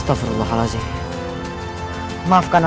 aku akan menangkapmu